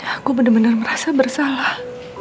aku bener bener merasa bersalah